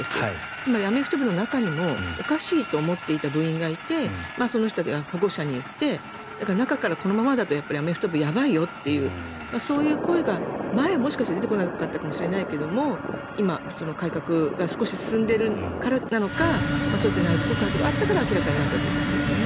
つまりアメフト部の中にもおかしいと思っていた部員がいてその人たちが保護者に言って中から、このままだとアメフト部やばいよというそういう声が前はもしかしたら出てこなかったかもしれないけど今、改革が少し進んでいるからなのかそういった内部告発があったから明らかになったということですよね。